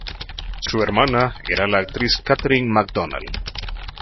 Su hermana era la actriz Katherine MacDonald.